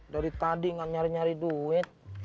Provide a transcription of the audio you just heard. dari tadi nggak nyari nyari duit